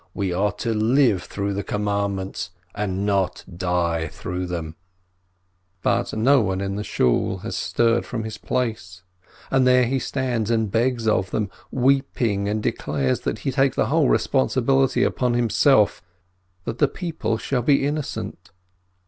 We are to live through the commandments, and not die through them !" But no one in the Shool has stirred from his place, and there he stands and begs of them, weeping, and declares that he takes the whole responsibility on him self, that the people shall be innocent.